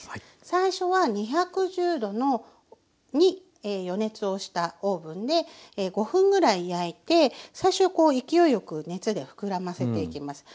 最初は２１０℃に予熱をしたオーブンで５分ぐらい焼いて最初はこう勢いよく熱で膨らませていきます。